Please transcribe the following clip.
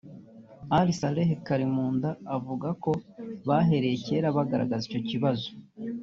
Al-Saleh Karimunda uvuga ko bahereye kera bagaragaza icyo kibazo